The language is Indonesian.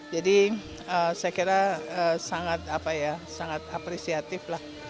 jadi saya kira sangat apresiatif